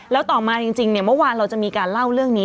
แล้วต่อมาจริงเนี่ยเมื่อวานเราจะมีการเล่าเรื่องนี้